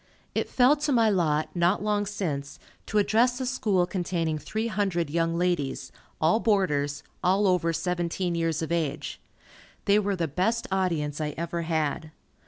It fell to my lot, not long since, to address a School containing three hundred young ladies, all boarders, all over seventeen years of age. They were the best audience I ever had.